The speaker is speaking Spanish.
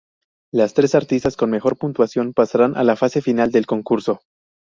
Los tres artistas con mejor puntuación pasarán a la fase final del concurso.